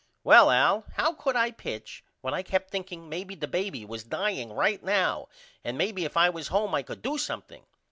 Well Al how could I pitch when I kept thinking maybe the baby was dying right now and maybe if I was home I could do something?